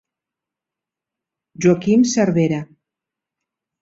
Joaquim Cervera.